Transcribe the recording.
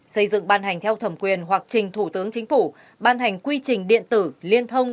xây dựng ban hành theo thẩm quyền hoặc trình thủ tướng chính phủ ban hành quy trình điện tử liên thông